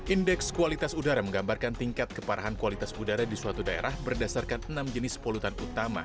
indeks kualitas udara menggambarkan tingkat keparahan kualitas udara di suatu daerah berdasarkan enam jenis polutan utama